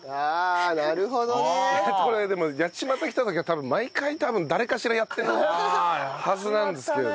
これでも八街来た時は毎回多分誰かしらやってるはずなんですけどね。